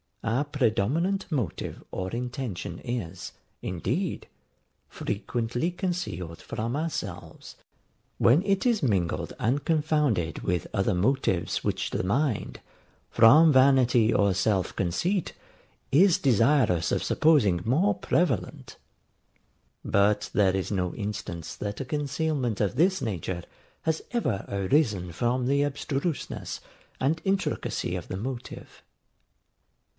Our predominant motive or intention is, indeed, frequently concealed from ourselves when it is mingled and confounded with other motives which the mind, from vanity or self conceit, is desirous of supposing more prevalent: but there is no instance that a concealment of this nature has ever arisen from the abstruseness and intricacy of the motive.